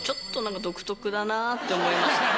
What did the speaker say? だなって思いました。